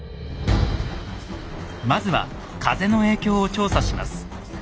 まずは風の影響を調査します。